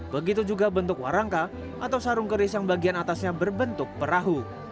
begitu juga bentuk warangka atau sarung keris yang bagian atasnya berbentuk perahu